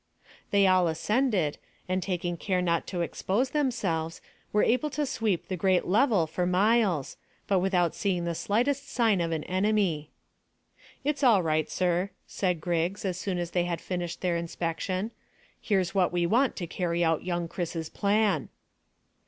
They all ascended, and taking care not to expose themselves, were able to sweep the great level for miles, but without seeing the slightest sign of an enemy. "It's all right, sir," said Griggs, as soon as they had finished their inspection. "Here's what we want to carry out young Chris's plan."